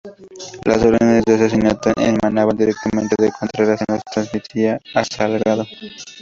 Las órdenes de asesinato emanaban directamente de Contreras que los transmitía a Salgado.